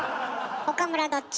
岡村どっち？